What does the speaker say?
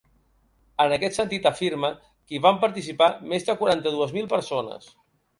En aquest sentit, afirma que hi van participar més de quaranta-dues mil persones.